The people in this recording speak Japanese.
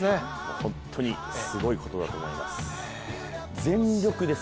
本当にすごいことだと思います。